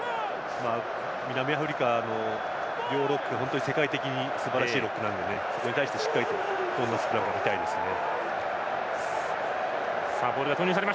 南アフリカの両ロックは世界的にすばらしいロックなのでしっかりと組んだスクラムを見たいですね。